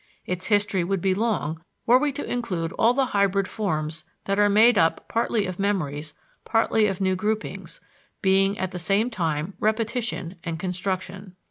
Its history would be long were we to include all the hybrid forms that are made up partly of memories, partly of new groupings, being at the same time repetition and construction.